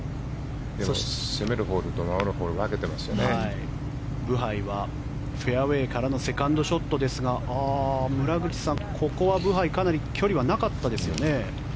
攻めるホールと守るホールをブハイはフェアウェーからのセカンドショットですが村口さん、ここはブハイ距離はなかったですよね。